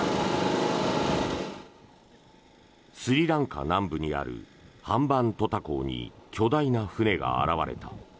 スリランカ南部にあるハンバントタ港に巨大な船が現れた。